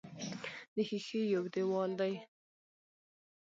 د ښیښې یو دېوال دی.